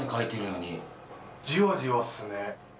じわじわっすね。